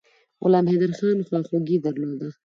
غلام حیدرخان خواخوږي درلوده.